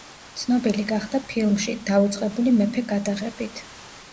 ცნობილი გახდა ფილმში „დავიწყებული მეფე“ გადაღებით.